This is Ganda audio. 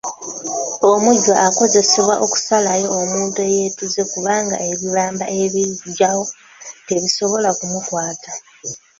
Omujjwa akozesebwa okusalayo omuntu eyeetuze kubanga ebibamba ebigyawo tebisobola kumukwata.